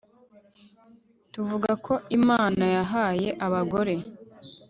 tuvuga ko imana yahaye abagore